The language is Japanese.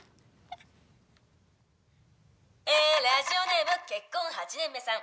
「ええラジオネーム“結婚８年目”さん」